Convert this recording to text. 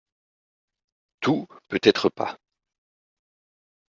Tout, peut-être pas